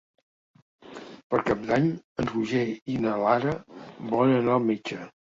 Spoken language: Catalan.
Per Cap d'Any en Roger i na Lara volen anar al metge.